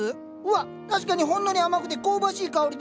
うわっ確かにほんのり甘くて香ばしい香りだ。